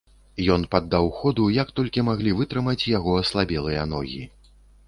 Ён паддаў ходу як толькі маглі вытрымаць яго аслабелыя ногі.